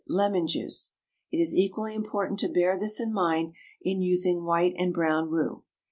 lemon juice. It is equally important to bear this in mind in using white and brown roux.